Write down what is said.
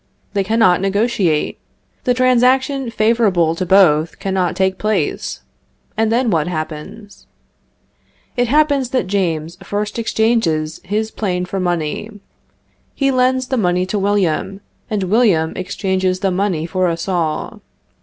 They cannot negotiate; the transaction favorable to both cannot take place, and then what happens? It happens that James first exchanges his plane for money; he lends the money to William, and William exchanges the money for a saw.